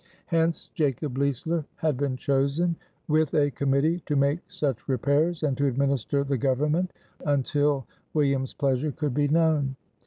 Hence Jacob Leisler had been chosen, "with a committee, to make such repairs and to administer the government until William's pleasure could be known."